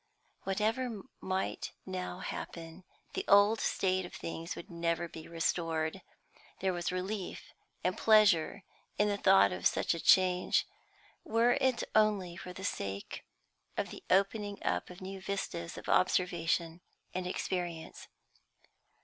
Whatever might now happen, the old state of things would never be restored. There was relief and pleasure in the thought of such a change, were it only for the sake of the opening up of new vistas of observation and experience.